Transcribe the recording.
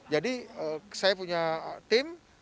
jadi saya punya tim